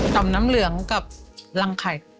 มน้ำเหลืองกับรังไข่